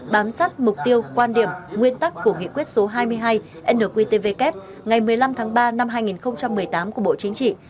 bám sát mục tiêu quan điểm nguyên tắc của nghị quyết số hai mươi hai nqtvk ngày một mươi năm tháng ba năm hai nghìn một mươi tám của bộ chính trị